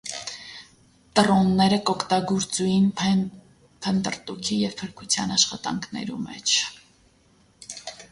Տռոնները կ՛օգտագործուին փնտռտուքի եւ փրկութեան աշխատանքներու մէջ։